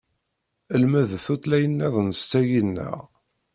Lmed tutlayin nniḍen s tagi nneɣ!